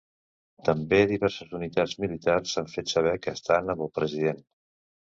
També diverses unitats militars han fet saber que estan amb el president.